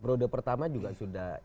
perode pertama juga sudah